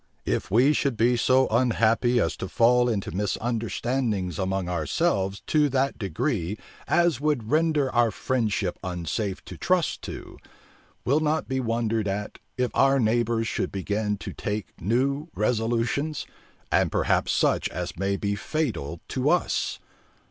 If we should be so unhappy as to fall into misunderstandings among ourselves to that degree as would render our friendship unsafe to trust to, will not be wondered at, if our neighbors should begin to take new resolutions, and perhaps such as may be fatal to us.